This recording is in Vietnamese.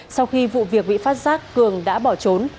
sau khi vụ việc bị phát giác cường đã bỏ trốn